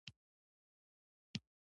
ټار د اوبو په موجودیت کې قوي چسپش نه تولیدوي